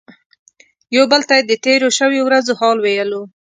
یو بل ته یې د تیرو شویو ورځو حال ویلو.